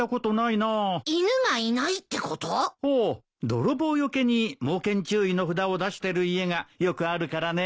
泥棒よけに「猛犬注意」の札を出してる家がよくあるからね。